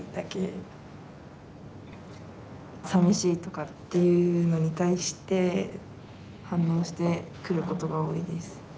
さみしいとかっていうのに対して反応してくることが多いです。